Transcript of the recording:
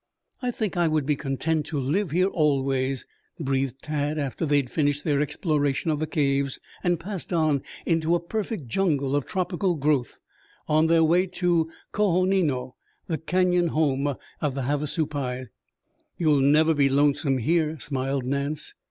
"I think I would be content to live here always," breathed Tad after they had finished their explorations of the caves and passed on into a perfect jungle of tropical growth on their way to Ko ho ni no, the canyon home of the Havasupais. "You'd never be lonesome here," smiled Nance.